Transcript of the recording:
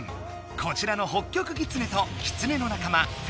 こちらのホッキョクギツネとキツネの仲間フェネック。